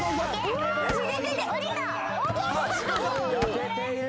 よけている。